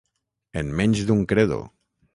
En menys d'un credo.